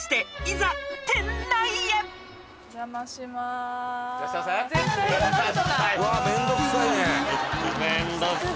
お邪魔します。